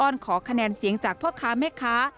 ้อนขอคะแนนเสียงจากพ่อค้าแม่ค้า